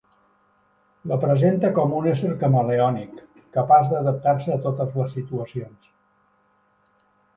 La presente com un ésser camaleònic, capaç d'adaptar-se a totes les situacions.